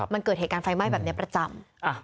มันเกิดเหตุการณ์ไฟไหม้แบบนี้ประจำ